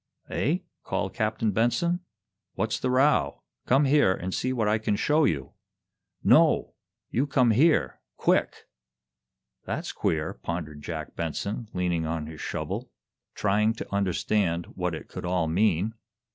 "Eh?" called Captain Benson. "What's the row? Come here and see what I can show you!" "No! You come here quick!" "That's queer," pondered Jack Benson, leaning on his shovel, trying to understand what it could all mean.